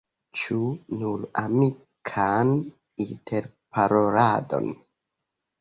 Ĉu nur amikan interparoladon?